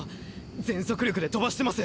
全速力で飛ばしてます！